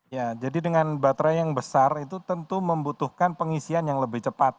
ya jadi dengan baterai yang besar itu tentu membutuhkan pengisian yang lebih cepat